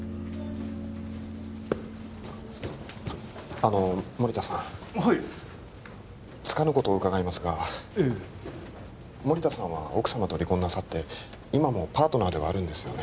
あの森田さんはいつかぬことを伺いますがええ森田さんは奥様と離婚なさって今もパートナーではあるんですよね？